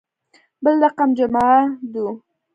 بل رقم جمعه دو.